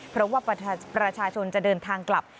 เพราะว่าประชาชนจะเดินทางกลับ